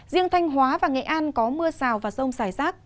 riêng thanh hóa và nghệ an có mưa rào và rông rải rác